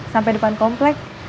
sampai depan kompleks